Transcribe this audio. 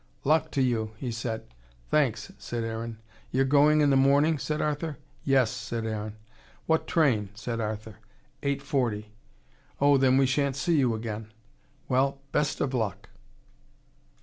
"Luck to you," he said. "Thanks," said Aaron. "You're going in the morning?" said Arthur. "Yes," said Aaron. "What train?" said Arthur. "Eight forty." "Oh then we shan't see you again. Well best of luck."